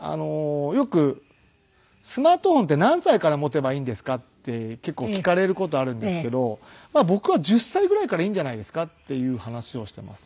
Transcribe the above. よく「スマートフォンって何歳から持てばいいんですか？」って結構聞かれる事あるんですけど僕は「１０歳ぐらいからいいんじゃないですか？」っていう話をしています。